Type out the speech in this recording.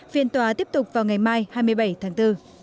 phiên tòa tiếp tục vào ngày mai hai mươi bảy tháng bốn